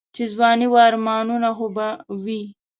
چې ځواني وي آرمانونه خو به وي.